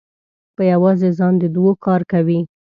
په یوازې ځان د دوو کار کوي.